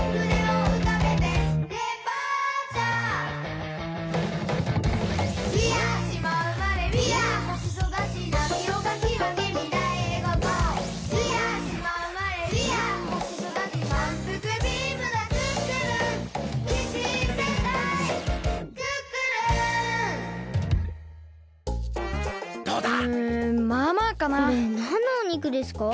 これなんのお肉ですか？